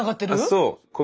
そう。